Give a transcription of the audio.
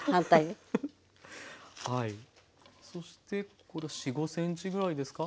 そしてこれは４５ｃｍぐらいですか？